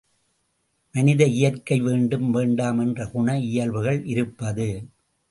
மனித இயற்கை வேண்டும் வேண்டாம் என்ற குண இயல்புகள் இருப்பது.